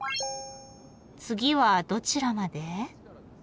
次はどちらまで？